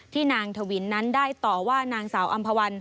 นางถวินนั้นได้ต่อว่านางสาวอำภาวัน